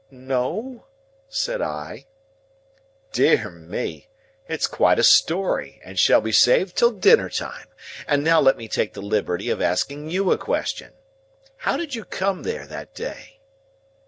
"No," said I. "Dear me! It's quite a story, and shall be saved till dinner time. And now let me take the liberty of asking you a question. How did you come there, that day?"